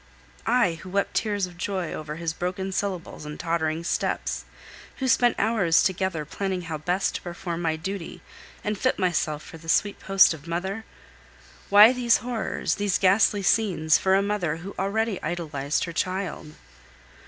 I, who wept tears of joy over his broken syllables and tottering steps, who spent hours together planning how best to perform my duty, and fit myself for the sweet post of mother? Why these horrors, these ghastly scenes, for a mother who already idolized her child?